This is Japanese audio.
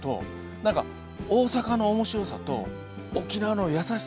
何か大阪の面白さと沖縄の優しさが融合してる。